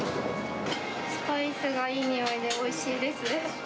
スパイスがいい匂いでおいしいです。